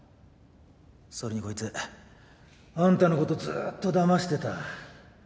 それにこいつあんたのことずっとだましてた。